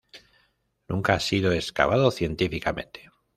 Nunca ha sido excavado científicamente.